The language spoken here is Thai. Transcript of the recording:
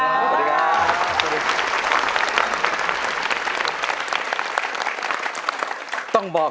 สวัสดีครับ